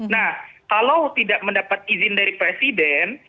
nah kalau tidak mendapat izin dari presiden